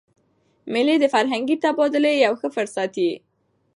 مېلې د فرهنګي تبادلې یو ښه فرصت يي.